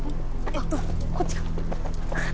えっとこっちか。